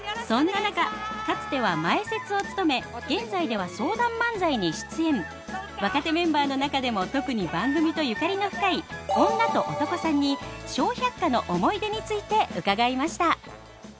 そんな中かつては前説を務め現在では相談漫才に出演若手メンバーの中でも特に番組とゆかりの深い女と男さんに「笑百科」の思い出について伺いました